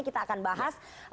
kita akan bahas